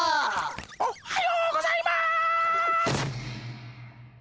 おっはようございます。